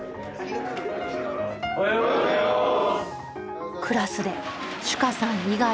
おはようございます。